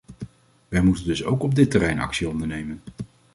Wij moeten dus ook op dit terrein actie ondernemen.